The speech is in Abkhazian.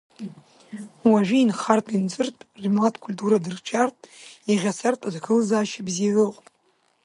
Уажәы инхартә, инҵыртә, рмилаҭтә культура дырҿиартә, иӷьацартә аҭагылазаашьа бзиа ыҟоуп.